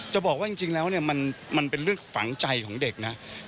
จะบอกว่าจริงแล้วเนี่ยมันเป็นเรื่องฝังใจของเด็กนะ